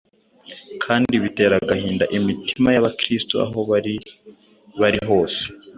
kandi bitera agahinda imitima y’Abakristo aho bari bari hose.